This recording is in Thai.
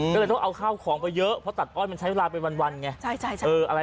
ก็เลยต้องเอาข้าวของไปเยอะเพราะตัดอ้อยมันใช้เวลาเป็นวันไง